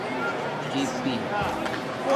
چِیپی